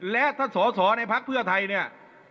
และถ้าสอในพักเพื่อไทยนี่